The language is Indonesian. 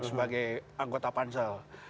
sebagai anggota pansel